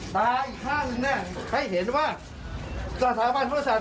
ตาอีก๕หนึ่งให้เห็นว่ากราศาบาลธุรกษัตริย์